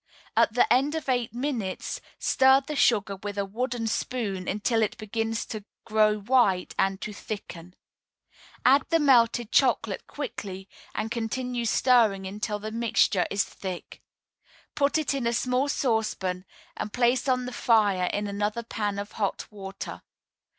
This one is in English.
At the end of eight minutes stir the sugar with a wooden spoon until it begins to grow white and to thicken. Add the melted chocolate quickly, and continue stirring until the mixture is thick. Put it in a small saucepan, and place on the fire in another pan of hot water.